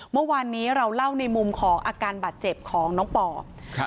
เมื่อวานนี้เราเล่าในมุมของอาการบาดเจ็บของน้องปอบครับ